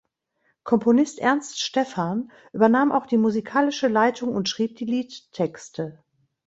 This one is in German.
Komponist Ernst Steffan übernahm auch die musikalische Leitung und schrieb die Liedtexte.